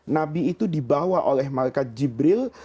nabi itu dibawa oleh malaikat jibril